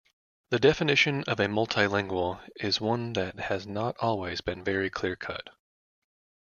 The definition of a multilingual is one that has not always been very clear-cut.